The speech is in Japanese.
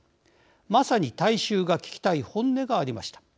まさに大衆が聞きたい本音がありました。